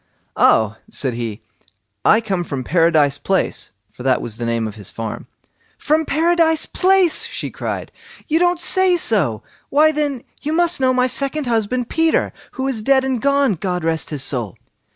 "Oh!" said he, "I come from Paradise Place", for that was the name of his farm. "From Paradise Place!" she cried, "you don't say so! Why, then, you must know my second husband Peter, who is dead and gone, God rest his soul."